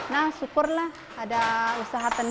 nah syukurlah ada usaha tenis